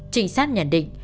trinh sát nhận định